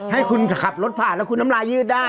ให้คุณขับรถผ่านแล้วคุณน้ำลายยืดได้